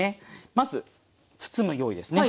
まず包む用意ですね。